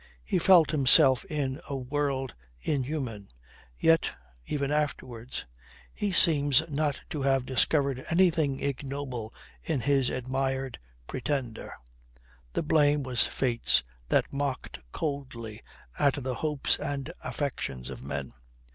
He felt himself in a world inhuman. Yet, even afterwards, he seems not to have discovered anything ignoble in his admired Pretender. The blame was fate's that mocked coldly at the hopes and affections of men.